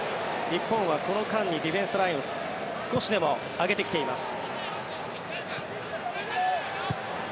日本はこの間にディフェンスラインを少しでも上げてきています。